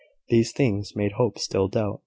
These things made Hope still doubt.